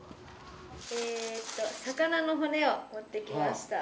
えと魚のほねをもってきました。